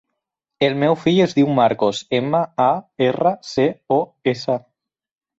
El meu fill es diu Marcos: ema, a, erra, ce, o, essa.